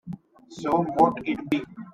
So mote it be.